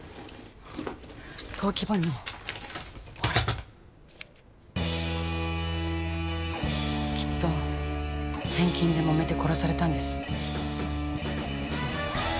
登記簿にもほらきっと返金でもめて殺されたんです